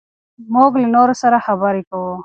موږ له نورو سره خبرې کوو.